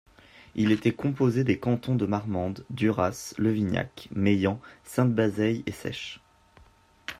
Il était composé des cantons de Marmande, Duras, Levignac, Meilhan, Sainte Bazeille et Seiches.